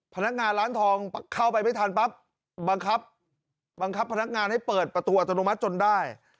พนักงานร้านทองเข้าไปไม่ทันปั๊บบังคับพนักงานให้เปิดประตูอัตโนมัติจนได้